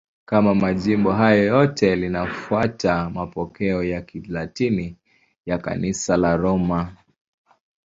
Kama majimbo hayo yote, linafuata mapokeo ya Kilatini ya Kanisa la Roma.